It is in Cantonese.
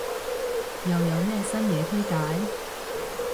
又有咩新嘢推介？